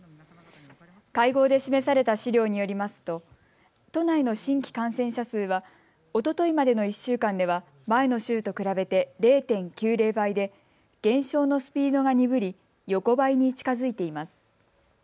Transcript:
会合で示された資料によりますと都内の新規感染者数はおとといまでの１週間では前の週と比べて０．９０倍で減少のスピードが鈍り、横ばいに近づいています。